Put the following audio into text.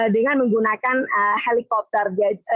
dengan menggunakan helikopter